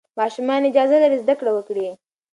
ماشومان اجازه لري زده کړه وکړي.